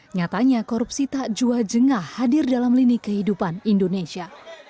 nyatanya korupsi tak jua jengah hadir dalam lini kehidupan indonesia